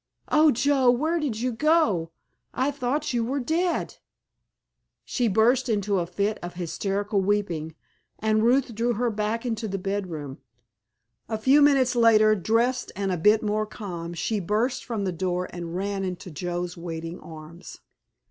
Oh, Joe, where did you go? I thought you were dead——" She burst into a fit of hysterical weeping, and Ruth drew her back into the bedroom. A few minutes later, dressed, and a bit more calm, she burst from the door and ran into Joe's waiting arms.